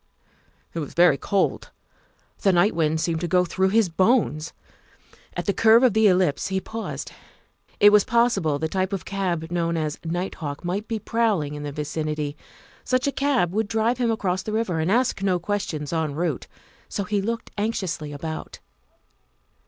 It was very cold. The night wind seemed to go through his bones. At the curve of the ellipse he paused ; it was possible the type of cab known as night hawk might be prowling in the vicinity. Such a cab would drive him across the river and ask no questions en route, so he looked anxiously about.